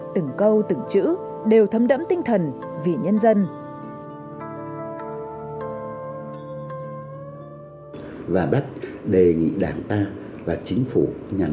từng câu từng chữ đều thấm đẫm tinh thần vì nhân dân